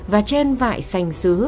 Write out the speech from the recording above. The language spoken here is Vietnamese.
và trên vại xanh xứ